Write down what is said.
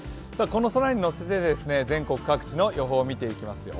この空に乗せて全国各地の予報を見ていきますよ。